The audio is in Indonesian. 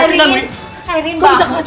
sekalian dewi juga di bawah